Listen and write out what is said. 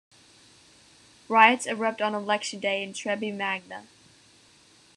Riots erupt on election day in Treby Magna.